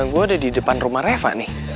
gue ada di depan rumah reva nih